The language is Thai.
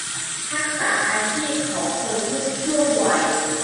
ทักษะอาชีพของคนทุกช่วงวัย